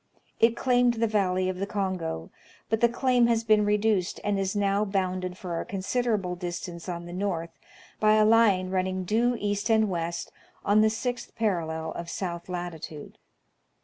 It claimed the valley of the Kongo ; but the claim has been reduced, and is now bounded for a considerable distance on the north by a line running due east and west on the 6th parallel of south latitude.